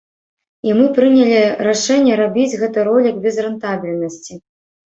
І мы прынялі рашэнне рабіць гэты ролік без рэнтабельнасці.